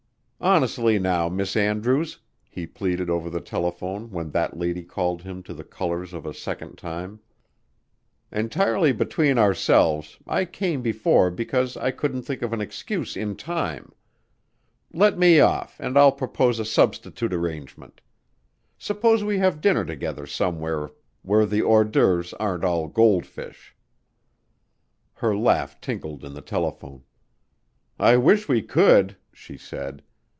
"Honestly, now, Miss Andrews," he pleaded over the telephone when that lady called him to the colors a second time, "entirely between ourselves, I came before because I couldn't think of an excuse in time. Let me off and I'll propose a substitute arrangement. Suppose we have dinner together somewhere where the hors d'oeuvres aren't all gold fish." Her laugh tinkled in the telephone. "I wish we could," she said.